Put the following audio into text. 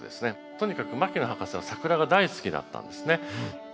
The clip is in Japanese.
とにかく牧野博士はサクラが大好きだったんですね。